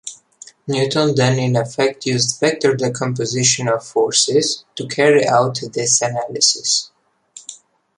Newton then in effect used vector decomposition of forces, to carry out this analysis.